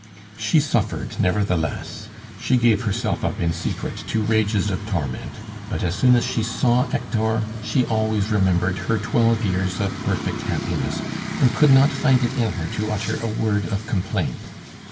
She suffered nevertheless; she gave herself up in secret to rages of torment; but as soon as she saw Hector, she always remembered her twelve years of perfect happiness, and could not find it in her to utter a word of complaint.